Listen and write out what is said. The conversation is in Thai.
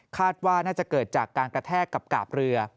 ว่าน่าจะเกิดจากการกระแทกกับกาบเรือ